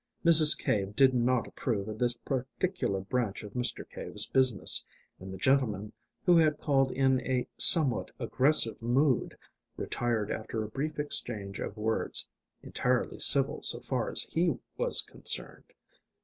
Mrs. Cave did not approve of this particular branch of Mr. Cave's business, and the gentleman, who had called in a somewhat aggressive mood, retired after a brief exchange of words entirely civil so far as he was concerned.